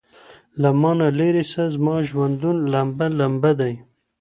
له مانه ليري سه زما ژوندون لمبه ،لمبه دی